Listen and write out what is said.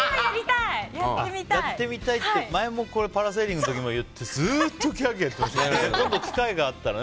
やってみたいって前もパラセーリングの時も言ってずっとキャーキャー言いながら。